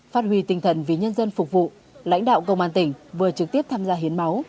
phát huy tinh thần vì nhân dân phục vụ lãnh đạo công an tỉnh vừa trực tiếp tham gia hiến máu